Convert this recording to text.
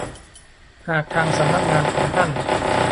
หากทางสำนักงานของท่าน